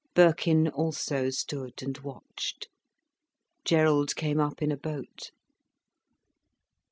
Birkin also stood and watched, Gerald came up in a boat.